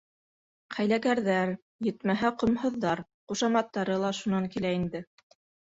Хәйләкәрҙәр, етмәһә, ҡомһоҙҙар, ҡушаматтары ла шунан килә инде.